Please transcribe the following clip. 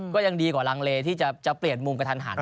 ก็ยังดีกว่ารังเลที่จะเปลี่ยนมุมกระทันหัน